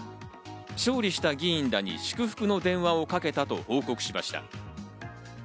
勝利した議員らに祝福の電話をかけたと報告しました。